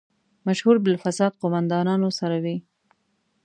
مشهور بالفساد قوماندانانو سره وي.